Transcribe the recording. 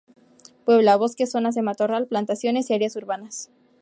Puebla bosques, zonas de matorral, plantaciones y áreas urbanas.